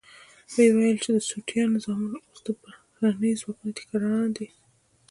ويل يې چې د سوټيانو زامن اوس د بهرنيو ځواکونو ټيکه داران دي.